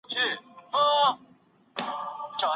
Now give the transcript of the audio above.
مادي حقوق باید ضایع نه سي.